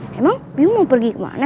biong biong mau pergi kemana